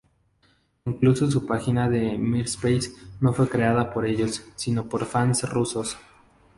Incluso su página de Myspace no fue creada por ellos, sino por fans rusos.